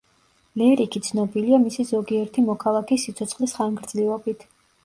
ლერიქი ცნობილია მისი ზოგიერთი მოქალაქის სიცოცხლის ხანგრძლივობით.